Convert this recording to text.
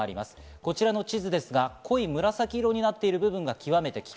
こちらの地図ですが濃い紫色になっている部分が極めて危険。